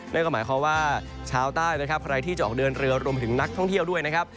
นั่นก็หมายความว่าชาวใต้นะครับใครที่จะออกเดินเรือรวมถึงนักท่องเที่ยวด้วยนะครับ